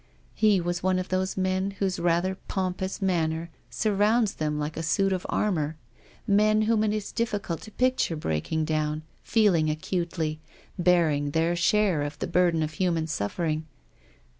He was one of those men whose rather pompous manner surrounds them like a suit of armour ; men whom it is difficult to picture breaking down, feeling acutely, bearing their share of the burden of human suffering.